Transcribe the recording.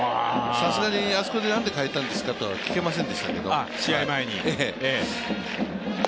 さすがにあそこでなんで代えたんですかとは聞けませんでしたけれども。